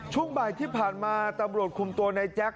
ช่วงบ่ายที่ผ่านมาตำรวจคุมตัวในแจ๊ค